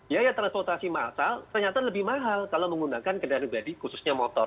yayat transportasi massal ternyata lebih mahal kalau menggunakan kendaraan pribadi khususnya motor